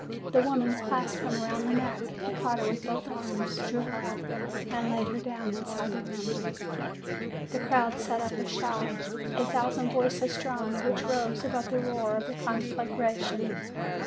The woman clasped him round the neck ; he caught her with both arms, drew her up, and laid her down inside the room. "The crowd set up a shout a thousand voices strong, which rose above the roar of the conflagration.